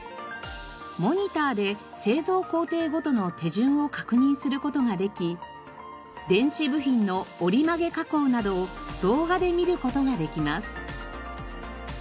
モニターで製造工程ごとの手順を確認する事ができ電子部品の折り曲げ加工などを動画で見る事ができます。